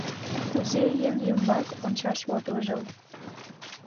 Кузе еҥ ӱмбак ончаш от вожыл?..